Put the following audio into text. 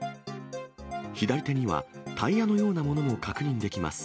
左手にはタイヤのようなものも確認できます。